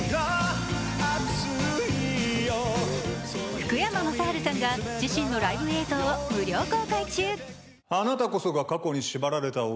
福山雅治さんが自身のライブ映像を無料公開中。